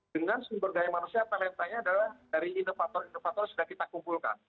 dengan sumber daya manusia talentanya adalah dari inovator inovator yang sudah kita kumpulkan